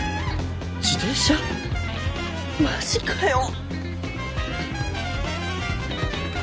自転車！？マジかよ。